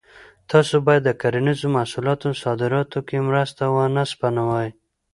تاسو باید د کرنیزو محصولاتو صادراتو کې مرسته ونه سپموئ.